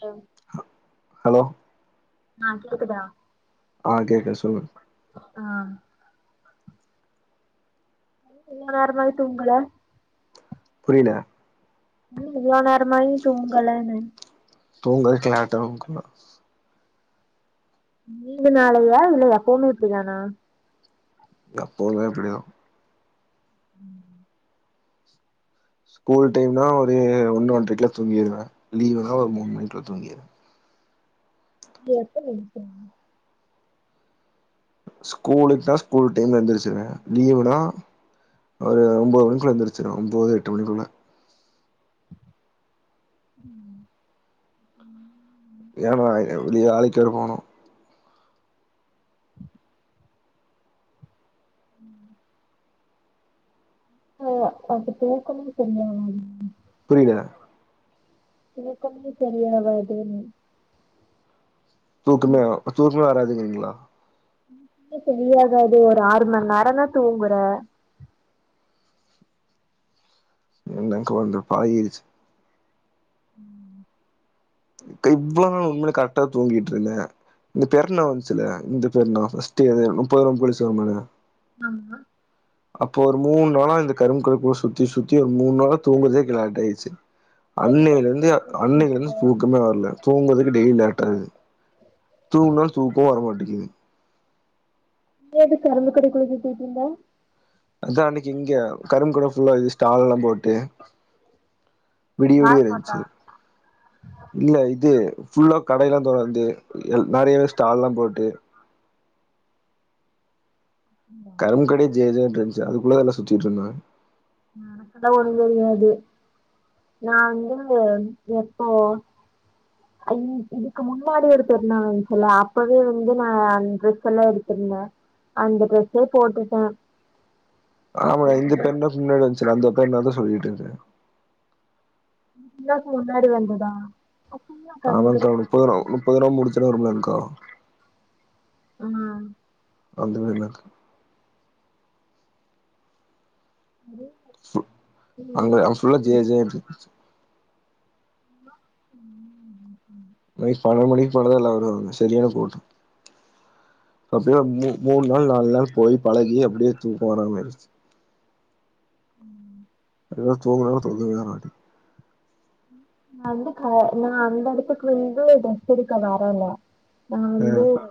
Hello hello ஆ கேக்குதா ஆ கேக்குது சொல்லுங் ஆ இவ்ளோ நேரமாயி தூங்கல புரில இன்னு இவ்ளோ நேரமாயு தூங்கலன தூங்கல் [unintelligible] நீங்க நாலயா இல்ல எப்போமே இப்டிதானா எப்போமே இப்படி தா ஸ்கூல் டைம்னா ஒரு ஒன்னு ஒன்ட்ரைக்குல தூங்கிருவ லீவ்னா ஒரு மூண் மணிக்ல தூங்கிருவ எப்ப எத்திப்பீங்க ஸ்கூலுன்ச்னா ஸ்கூல் டைம்ல எந்துர்ச்சுர்வ லீவுனா ஒரு ஒம்போது மணிக்குள்ள எந்திருச்சுர்வ ஒம்போது எட்டு மணிக்குள்ள ம் ம் ஏமா வெளிய ஆலைக்கர போவ்ணு ம் ஓ அது தூக்கமே செரியா வராது புரில தூக்கமே சரியா வராதுன் தூக்கமே தூக்கமே வராதுங்குறீங்ளா யே சரியாகாது ஒரு ஆர் மண் நரோ தா தூங்குற என்ன கொழ்ந்த பழகிரிச்சி ம் இப்ப இவ்ளோ நாள் உண்மேலே கரெக்டா தூங்கிட்ருந்த இந்த பெர்நா வந்துச்சுல இந்த பெர்நா ஃபஸ்ட்டு எது முப்பது நோம் பிடிச்சோம்ல்ல ஆமா அப்போ ஒரு மூணு நாளா இந்த கரும்ம கழு கூட சுத்தி சுத்தி ஒரு மூண் நாளா தூங்குதேகே லேட் ஆய்டுச்சு நீ எதுக்கு அன்னையில இருந்து கரும்பு கடைக்குள்ள சுத்திட்டு அன்னையில இருந்து இருந்த தூக்கமே வரல தூங்குறதுக்கு டெய்லி லேட்டாது தூங்குனாலு தூக்கோ வர மாட்டேக்குது எதுக்கு கரும்பு கடைக்குள்ள சுத்திட்ருந்த அதா அன்னைக்கு இங்க கரும்பு கட ஃபுல்லா இது ஸ்டால்லா போட்டு விடிய விடிய யார் பாத்தா இருந்ச்சு இல்ல இது ஃபுல்லா கடைலா தொறந்து எ நெறைய ஸ்டால்லா போட்டு கரும்பு கடயே ஜேஜேன் இருந்ச்சு அதுக்குள்ளதால சுத்திட்ருந்தே அதா ஒன்னு தெரியாது நா வந்து எப்போ அன் இதுக்கு முன்னாடி ஒரு பெருநாள் வந்ச்சுல அப்பவே வந்து நா அந்த ட்ரெஸெல்லா எடுத்திருந்த அந்த ட்ரெஸ்ஸே போட்டுட்டே ஆமால இந்த பெர்நாள் முன்னாடி வந்ச்சுல அந்த பெர்நாள் தா சொல்லிட்ருந்த உம்ராக்கு முன்னாடி வந்ததா அப்பல்லா ஆமாங்க்கா கண்டுக்கவே நுப்பது நோம் மாட்டேன் நுப்பதுநோம்பு முடிச்சோனே வருமுலங்க்கா ம் அது வேணாங்க்கா [inaudible] அங்க நான் அங்க ஃபுல்லா ஜேஜேன் இருந்துச்சு [inaudible] நைட் பதினொரு மணிக்கு மேலதா எல்லாரு வருவாங்க செரியான கூட்டோ ஒரு சிலர் மு மூண் நாள் நால் நாள் போயி பழகி அப்டியே தூக்கோ வராமாய்டுச்சு எங்க தூங்குனாலு தூங்கவிட மாட்டேங் நா அந்த கா நா அந்த எடத்துக்கு வந்து ட்ரெஸ் எடுக்க வரல நா வந்து ஆ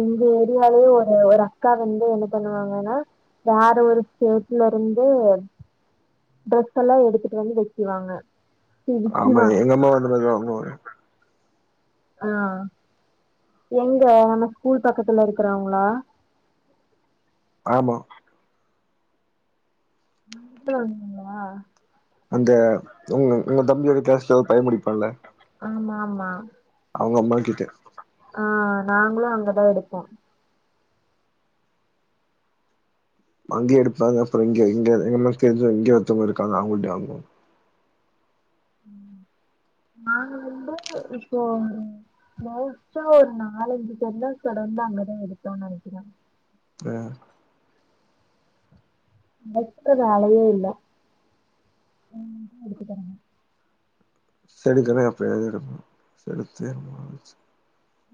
எங்க ஏரியாலே ஒரு ஒரு அக்கா வந்து என்ன பண்ணுவாங்கனா வேற ஒரு ஸ்டேட்லருந்து ட்ரெஸெல்லா எடுத்துட்டு வந்து விக்கிறாங்க ஆமா எங்கம்மாவு அந்த மாரிதா வாங்குவாங்க ஆ எங்க நம்ம ஸ்கூல் பக்கத்துல இருக்குறவ்ங்ளா ஆமா எட்த்துனு வந்துகிங்ளா அங்க உங்க உங்க தம்பியோட க்ளாஸ்ல ஒரு பைய படிப்பால்ல ஆமாம்மா அவ்ங்க அம்மாக்கிட்ட ஆ நாங்களு அங்கதா எடுப்போ அங்கயு எடுப்பாங்க அப்ற இங்க இங்க எங்க அம்மாக்கு தெரிஞ்சவ்ங்க இங்க ஒருத்தவ்ங்க இருக்காங்க அவங்கிட்டயு வாங்குவோ நாங்க வந்து இப்போ ஒரு மோஸ்டா ஒரு நாலஞ்சு பெருநாள் தொடர்ந்து அங்கதா எடுத்தோன் நெனைக்கிறே ஆ வெற்றது அளவே இல்ல செடுக்கனா எப்பயாவ்து எடுப்போ எடுத்தே ரொம்ப நாளாச்சு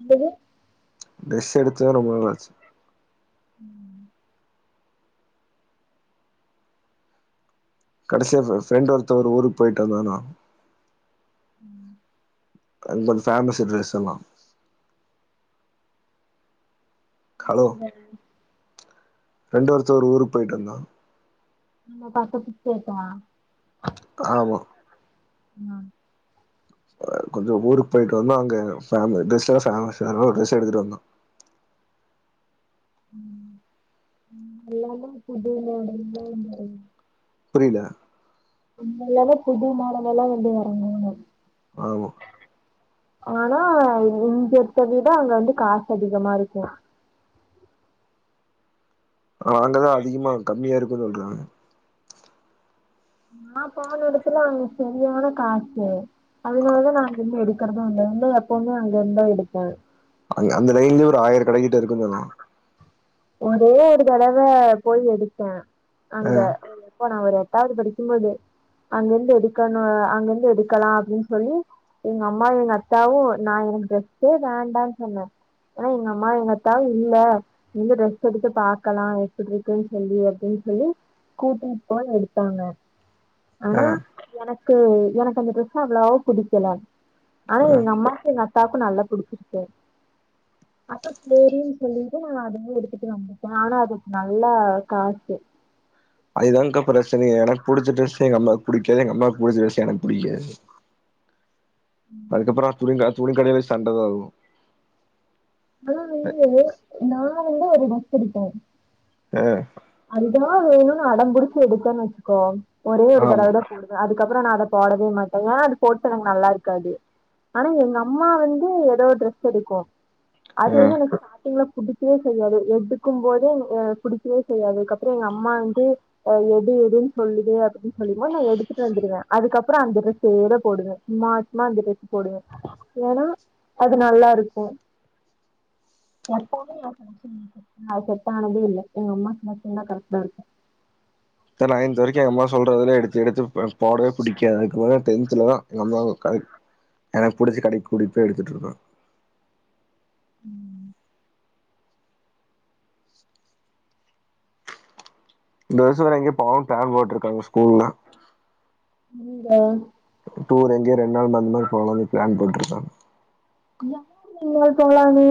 என்னது ட்ரெஸ் எடுத்துதா ரொம்ப நாள் ஆச்சு ம் கடைசியாதா ஃப்ரெண்ட் ஒருத்தவரு ஊருக்கு போயிட்டு வந்தானா ம் அந்த ஃபேபேமஸ் ட்ரெஸ்ல்லாம் [unintelligible] ரெண்டு வாரத்துக் ஒரு ஊர் போய்ட்டந்தா நா பத்து பிச்சேக்கா ஆமா ஆ அ கொஞ்ச ஊருக்கு போயிட்டு வந்தோ அங்கெ ஃபம் ட்ரெஸ்ஸ ஃபேமசு அதனால ட்ரெஸ் எடுத்துட்டு வந்தோ ம் எல்லாமே புது மாடல் [unintelligible] புரில எல்லாமே தான் புது மாடல் எல்லாம் வந்து வந்து இறங்கும் [unintelligible] ஆமா ஆனா இங்க எடுத்த விட அங்க வந்து காசு அதிகமா இருக்கும் ஆ அங்கதான் அதிகமா கம்மியா இருக்குன்னு சொல்றாங்க நா போன இடத்துல அவங்க சரியான காசு அதனாலதான் நாங்க இன்னு எடு க்கறதும் இல்ல இந்த எப்பவுமே அங்க இருந்தா எடுப்பேன் அங்க அந்தலைன்லயே ஒரு ஆயிர கடைக்கிட்ட இருக்கும் சொன்ன ஒரே ஒரு தடவ போய் எடுத்தேன் ஆ அங்க எப்ப நா ஒரு எட்டாவ்து படிக்கும்போது அங்கருந்து எடுக்கணும் அங்கருந்து எடுக்கலாம் அப்படின் சொல்லி எங்க அம்மாவும் எங்க அத்தாவும் நா எனக்கு டிரஸ்சே வேண்டாம்னு சொன்னேன் ஆ எங்க அம்மா எங்கத்தா இல்ல இங்க டிரெஸ் எடுத்து பா்கக்கலாம் எப்படி இருக்குன்னு சொல்லி அப்படின்னு சொல்லி கூட்டிப்பொய் எடுத்தாங்க ஆனா ஆ எனக்கு எனக்கு அந்த டிரெஸ் அவ்வளவோ புடிக்கல ஆனா ஆ எங்க அம்மாக்கு எங்க அ த்தாக்கும் நல்லா பிடிச்சிருச்சே அப்ப செரின்னு சொல்லிட்டு நா போய் எடுத்துட்டு வந்துட்டேன் ஆனா அதுக்கு நல்லா காசு அதுதானங்கா பிரச்சன எனக்கு புடிச்ச ட்ரெஸ் எங்க அம்மாக்கு படிக்காது எங்க அம்மாவ்க்கு பிடிச்ச ட்ரெஸ் எனக்கு புடிக்காது அதுக்கப்புறம் துணிங்க துணி கடைல சண்ட வரும் நா வந்து நா வந்து ஒரு ட்ரெஸ் படிக்கேன் ஆ அதுதா வேணும்னு அடம்ம்புடிச்சு எடுடுத்தேன்னு வச்சுக்கோ ஒரே ஒரு ஆமா தடவதா போடு அதுக்கப்புறம் நா அத போடவே மாட்டேன் ஏன்னா அது போட்டா எனக்கு நல்லா இருக்காது ஆனா எங்க அம்மா வந்து ஏதோ ட்ரெஸ் எடுக்கும் அது ஆ வந்து எனக்கு [inaudible] ஸ்டார்டிங்ல புடிக்கவே செய்யாது எடுக்கும் போதே அ புடிச்சவே செய்யாது அப்புறம் எங்க அம்மா வந்து ஆ எடு எடுன்னு சொல்லுது அப்படின்னு சொல்லும் போது நா எடுத்துட்டு வந்துடுவேன் அதுக்கப்புறம் அந்த டிரெஸேதா போடுவே சும்மா சும்மா அந்த ட்ரெஸ் போடுவே ஏன்னா அது நல்லா இருக்கும் எப்பவுமே [inaudible] செட் ஆனதில்ல எங்க அம்மா சொன்ன [inaudible] அது கரெக்ட்டா இருக்கும் நைன்த் வரைக்கும் எங்க அம்மா சொல்றதுலாம் எடுத்து எடுத்து போடவே பிடிக்க அதுக்கு டென்த்ல தான் எங்க அம்மா ஒரு கடைக் எனக்கு பிடிச்ச கடைக் கூட்டிட் போய் எடுத்துட்டு இருக்கு ம் இந்த வருஷம் நம்ம எங்கய போவோ பிளான் போட்டிருக்காங்க ஸ்கூல்லா எங்க டூர் எங்கயோ ரெண்டு நாள் அந்த மாதிரி போகலாம்னு பிளான் போட்டுருக்கோ யாரு எங்கயாவ்து போலாம்னு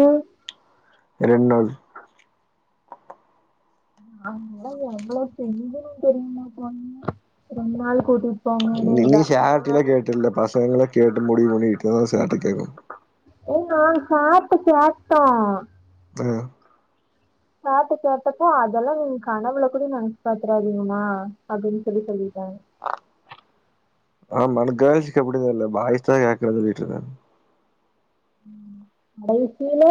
ரெண்டு நாள் நான்லா எவ்வளோ கெஞ்சுனே தெரிமா [unintelligible] ரெண் நாள் கூட்டிட் நீ நீ சேர்ட்டில்ல கேட்டுல்ல பசங்கள கேட்டு முடிவு பண்ணிகிட்டுதா சேர்ட்ட கேக்கு ஏ நாங் சார்ட்ட கேட்டோ அ சார்ட்ட கேட்டப்போ அதெல்லா நீங் கனவுல கூட நெனைச்சு பாத்றாதீங்கமா அப்டின் சொல்லி சொல்லிட்டாங்க. பாம் ஆனா கேள்ஸ்க்கு எப்டி தெர்ல பாய்ஸ்தா கேக்கற சொல்லிட்ருந்தாங்க. ம் கடைசில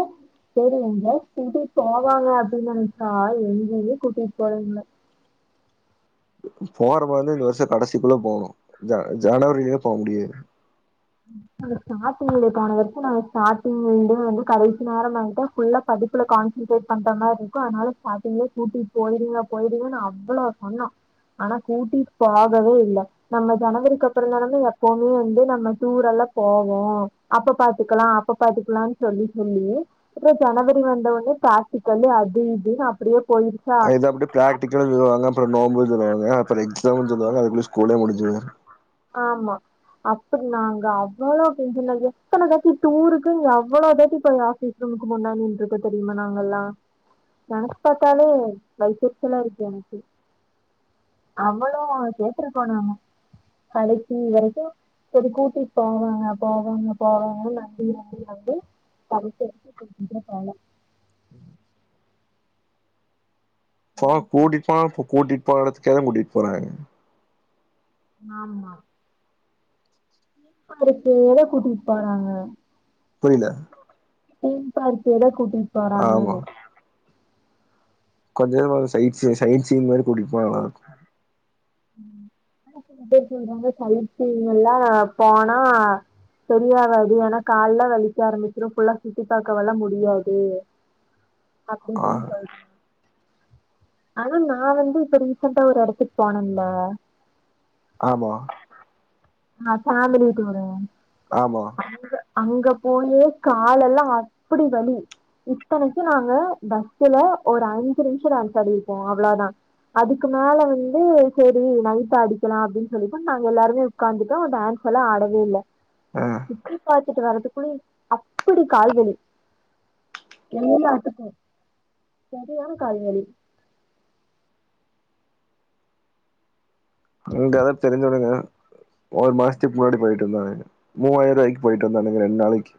சேரி எங்கியாது கூட்டிட் போவாங்க அப்டி நென்ச்சா எங்கிமே கூட்டிட் போல எங்ள. அ அ போற மார்ருந்தா இந்த வருஷ கடைசிக்குள்ள போணு ஜ ஜனவரிலியல்லா போவ் முடியாது. ம் அது ஸ்டாடிங்ல [unintelligible] வரிக்கு நாங்க ஸ்டாட்லிங்லிந்தே வந்து கடைசி நேரம் ஆயிட்டா ஃபுல்லா படிப்புல கான்சன்ட்ரேட் பண்ற மார்ருக்கு அதனால ஸ்டாட்டிங்லியே கூட்டிட் போய்ருங்க போய்டுங்கன் அவ்வளோ சொன்னோ. ஆனா கூட்டிட் போகவே இல்ல நம்ம ஜனவரிக்கு அப்புறந்தானமா எப்புமே வந்து நம்ம டூரல்லா போவோ அப்ப பாத்துக்கலா அப்ப பாத்துக்கலான் சொல்லி சொல்லி அப்புறோ ஜனவரி வந்த ஒன்னியே ப்ராக்டிக்கல்லு அது இதுனு அப்பிடியே போயிருச் அவிங்கதா அப்பிடே பிராக்டிக்கலு சொல்லவாங்க அப்புறோ நோம்பு சொல்லுவாங்க அப்புறோ எக்ஸாமுன் சொல்லுவாங்க அதுக்குள்யே ஸ்கூலே முடிஞ்சு போயிரு. ஆமா. அப்பிடி நாங்க அவ்வளோ கெஞ்சுனது எத்தன தட்டி டூருக்குன் எவ்வளோ தட்டி போய் ஆஃபீஸ் ரூமுக்கு முன்னா நின்ருக்கோ தெரிமா நாங்கல்லா. நெனச்சு பாத்தாலே வயித்தெரிச்சலா இருக்கு எனக்கு. அவ்வளோ கேட்ருக்கோ நாங்க கடைசி வரைக்கு செரி கூட்டிட் போவாங்க போவாங்க போவாங்கன் நம்பி நம்பி நம்பி கடைசி வரிக்கி கூட்டிட்டே போல. சோ கூட்டிட் போனாலு இப்போ கூட்டிட் போன எடத்துக்கேதா கூட்டிட் போறாங்க. ஆமா. பாருக்கேதா கூட்டிட் போறாங்க. புரில. தீம் பார்க்கே தா கூட்டிட் ஆமா போறாங்கன்ன. கொஞ்சோ நம்மவ சைட்சி சைட்சீன் மாரி கூட்டிட்போ நல்லாருக்கு. [inaudible] [inaudible] சொல்றாங்க சைட்சீன் எல்லா போனா செரியாகாது ஏனா கால்லா வலிக்க ஆரம்பிச்சிரு ஃபுல்லா சுத்தி பாக்க வல்லா முடியாது. [inaudible] அப்டி ஆ [unintelligible] ஆனா நா வந்து இப்ப ரீசெண்ட்டா ஒரு எடத்துக் போனன்ல ஆமா. நா ஃபேமிலி டூரு ஆமா. அங்க அங்க போயே காலெல்லா அப்பிடி வலி. இத்தனைக்கு நாங்க பஸ்சுல ஒரு அஞ்சு நிம்ஷோ டான்ஸ் ஆடிருப்போ அவ்ளதா. அதுக்கு மேல வந்து சேரி நைட்டு ஆடிக்கலா அப்டின் சொல்லிட்டு நாங்க எல்லாருமே உக்காந்துட்டோ டேன்ஸ் எல்லா ஆடவே இல்ல ஆ சுத்தி பாத் துட்டு வரறதுக்குள்ளயே அப்பிடி கால்வலி. எல்லாத்துக்கு செரியான கால்வலி. இங்க அதா தெரிஞ்சவனுங்க ஒரு மாசத்திக் முன்னாடி போய்ட்டு வந்தாங்க. மூவாயிருவாய்க்கு போய்ட்டு வந்தானுங்க ரண் நாளைக்கி.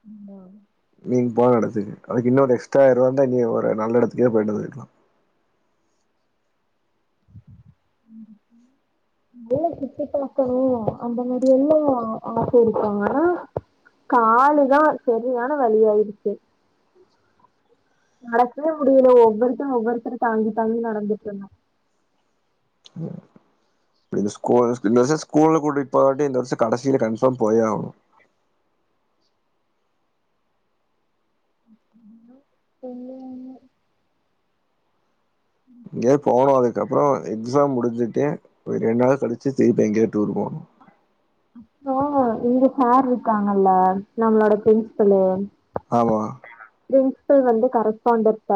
சும்மா நீங் போன எடத்துக்கு அதுக்கு இன்னொரு எக்ஸ்ட்ரா ஆய்ருவா இருந்தா நீ ஒரு நல்ல இடத்துக்கே பொய்ட்டு வந்துக்லா வெள்ள சுத்தி பாக்கணு அந்த மாதிரி எல்லா ஆச இருக்காங்க காலுதா செரியான வலி ஆய்ருச்சு நடக்கவே முடில ஒவ்வொருத்தங் ஒவ்வொருத்தர தாண்டி தாண்டி நடந்துட்ருந்தாங்க ம் இந்த ஸ்கூல் இந்த வர்ஷோ ஸ்கூல்ல கூட்டிட் போவாட்டி இந்த வர்ஷோ கடசில கன்ஃபாம் போயே ஆகணு இன்னு [unintelligible] இங்கயே போனுதுக்கப்றோ எக்ஸாம் முடிஞ்சுட்டே ஒரு ரெண்டு நாள் கழிச்சு திருப்ப எங்கயா டூர் போனோ போ இங்க சார் இருக்காங்கல்ல நம்மளோட ப்ரின்சுபலு ஆமா ப்ரின்ஸ்பல் வந்து கரஸ்பாண்டன்ட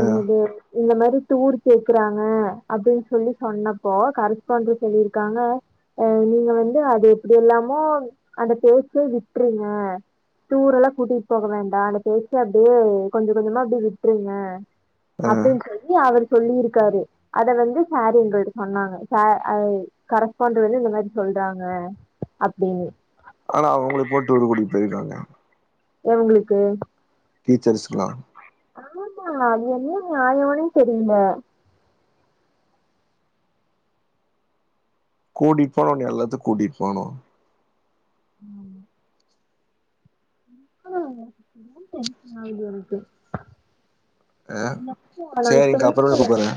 ஆ இந்த மாரி டூர் கேக்குறாங்க அப்டின் சொல்லி சொன்னப்போ கரஸ்பண்டன்ட் சொல்லியிருக்காங்க அ நீங்க வந்து அத எப்டிலாமோ அந்த பேச்ச விட்ருங்க டூரெல்லா கூட்டிட் போக வேண்டா பேசி அப்டியே கொஞ்சோ கொஞ்சமா அப்டி விட்ருங்க ஆ அப்டின் சொல்லி அவருக் சொல்லிருக்காரு அத வந்து சார எங்கள்ட்ட சொன்னாங்க சா அ கரஸ்பாண்டட் வந்து இந்த மாரி சொல்றாங்க அப்டினு ஆனா அவுங்ளுக்கு போட்டு ஒரு கோடிக் போய்ருக்காங்க எவுங்ளுக்கு டீச்சர்ஸ்க்லா ஆமா அது என்ன நியாயோனே தெரில கூட்டிட் போனா ஒன்னு எல்லாத்துக் கூட்டிட் போனு ஆமா ஆ ரோம்ப டென்ஷனாகுது எனக்கு ஆ [unintelligible] நாங்க சேரிங்க்கா அப்புறமா போய்ர்க்கல கூப்புறே